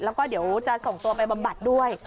แล้วก็เดี๋ยวจะส่งตัวไปบำบัดด้วย